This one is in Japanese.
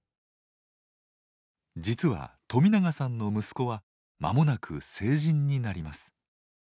実は冨永さんの息子は間もなく成人になります。